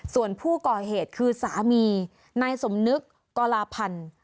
ส่วนผู้ก่อเหตุคือสามีนายสมนึกกรลาพันธ์